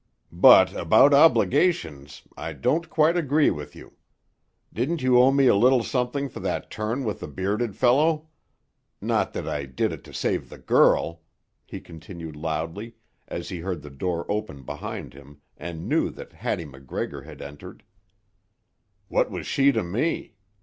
"But about obligations, I don't quite agree with you. Didn't you owe me a little something for that turn with the bearded fellow? Not that I did it to save the girl," he continued loudly, as he heard the door open behind him and knew that Hattie MacGregor had entered. "What was she to me?